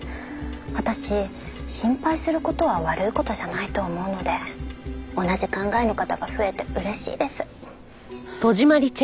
私心配する事は悪い事じゃないと思うので同じ考えの方が増えて嬉しいです。